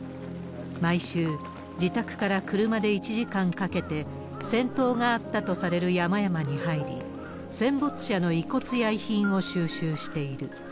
毎週、自宅から車で１時間かけて、戦闘があったとされる山々に入り、戦没者の遺骨や遺品を収集している。